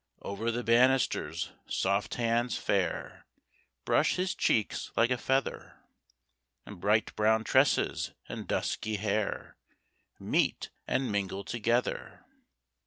Over the banisters soft hands, fair, Brush his cheeks like a feather, And bright brown tresses and dusky hair, Meet and mingle together.